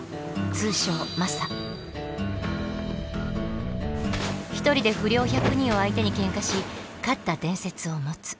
通称１人で不良１００人を相手にケンカし勝った伝説を持つ。